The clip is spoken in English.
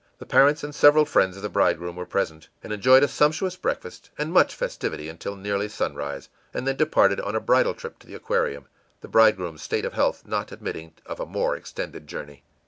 The parents and several friends of the bridegroom were present, and enjoyed a sumptuous breakfast and much festivity until nearly sunrise, and then departed on a bridal trip to the Aquarium, the bridegroom's state of health not admitting of a more extended journey.